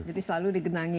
jadi selalu digenangi ya